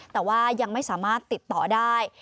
แต่ว่ายังไม่สามารถติดต่อได้